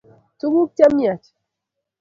Tuguk chemiach